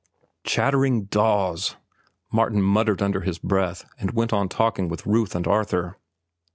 "Chattering daws," Martin muttered under his breath, and went on talking with Ruth and Arthur.